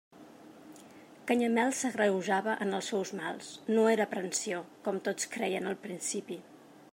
Canyamel s'agreujava en els seus mals: no era aprensió, com tots creien al principi.